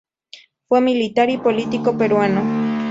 Fue militar y político peruano.